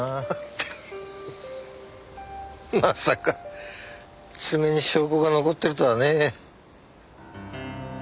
まさか爪に証拠が残ってるとはね。